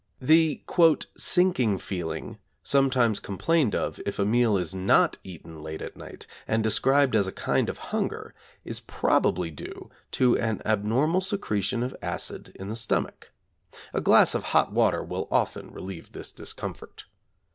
The 'sinking feeling' sometimes complained of if a meal is not eaten late at night and described as a kind of hunger is probably due to an abnormal secretion of acid in the stomach. A glass of hot water will often relieve this discomfort.